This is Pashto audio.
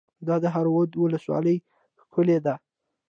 د دهراوود ولسوالۍ ښکلې ده